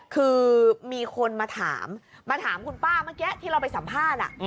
คือมีคนมาถามมาถามคุณป้าเมื่อกี้ที่เราไปสัมภาษณ์